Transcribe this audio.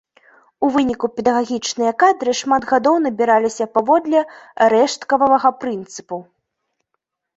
У выніку педагагічныя кадры шмат гадоў набіраліся паводле рэшткавага прынцыпу.